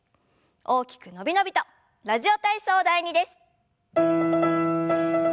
大きく伸び伸びと「ラジオ体操第２」です。